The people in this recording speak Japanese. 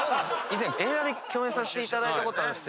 以前映画で共演させていただいたこと。